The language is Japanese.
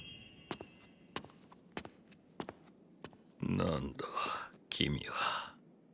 何だ君は。